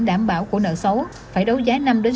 đảm bảo của nợ xấu phải đấu giá